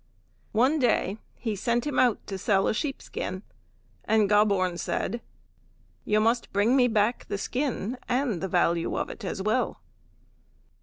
One day he sent him out to sell a sheep skin, and Gobborn said, "You must bring me back the skin and the value of it as well."